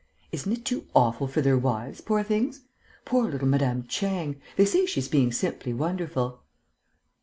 Isn't it too awful for their wives, poor things? Poor little Madame Chang! They say she's being simply wonderful."